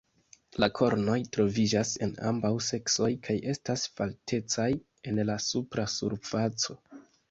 La kornoj troviĝas en ambaŭ seksoj kaj estas faltecaj en la supra surfaco.